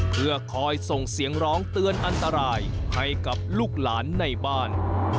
เพื่อคอยส่งเสียงร้องเตือนอันตรายให้กับลูกหลานในบ้าน